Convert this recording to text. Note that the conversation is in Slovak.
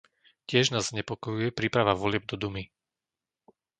Tiež nás znepokojuje príprava volieb do Dumy.